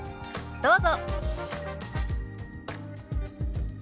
どうぞ。